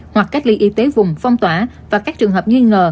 hoặc cách ly y tế vùng phong tỏa và các trường hợp nghi ngờ